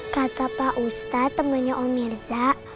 kakak pak ustadz temannya om mirza